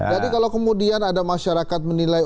jadi kalau kemudian ada masyarakat menilai